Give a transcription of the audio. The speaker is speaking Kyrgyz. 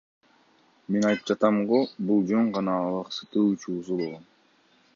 Мен айтып жатам го, бул жөн гана алаксытуу чуусу болгон.